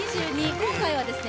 今回はですね